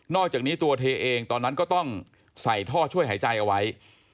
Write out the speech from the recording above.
อกจากนี้ตัวเธอเองตอนนั้นก็ต้องใส่ท่อช่วยหายใจเอาไว้